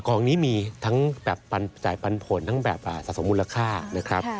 กองนี้มีทั้งแบบจ่ายปันผลทั้งแบบสะสมมูลค่านะครับ